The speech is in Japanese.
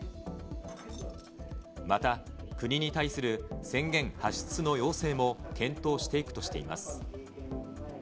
また、国に対する宣言発出の要請も検討していくとしています。